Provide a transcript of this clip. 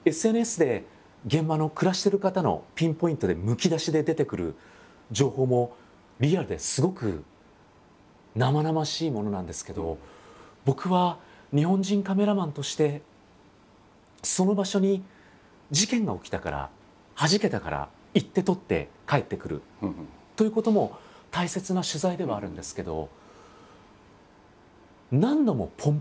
ＳＮＳで現場の暮らしてる方のピンポイントでむき出しで出てくる情報もリアルですごく生々しいものなんですけど僕は日本人カメラマンとしてその場所に事件が起きたからはじけたから行って撮って帰ってくるということも大切な取材ではあるんですけど。